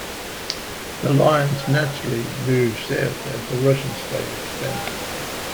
The lines naturally moved south as the Russian state expanded.